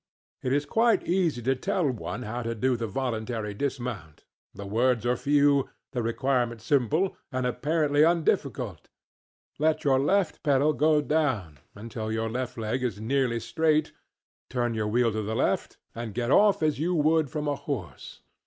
It is quite easy to tell one how to do the voluntary dismount; the words are few, the requirement simple, and apparently undifficult; let your left pedal go down till your left leg is nearly straight, turn your wheel to the left, and get off as you would from a horse.